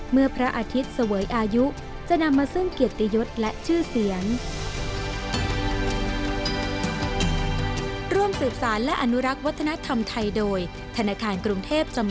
เมื่อพระอาทิตย์เสวยอายุจะนำมาซึ่งเกียรติยศและชื่อเสียง